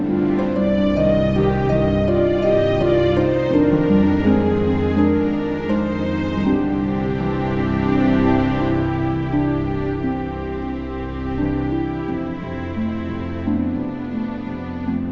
aku mau pergi ke rumah sakit